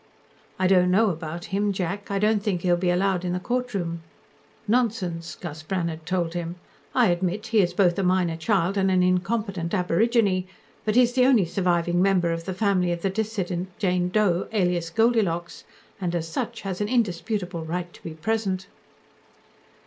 "I don't know about him, Jack. I don't think he'll be allowed in the courtroom." "Nonsense!" Gus Brannhard told him. "I admit, he is both a minor child and an incompetent aborigine, but he is the only surviving member of the family of the decedent Jane Doe alias Goldilocks, and as such has an indisputable right to be present."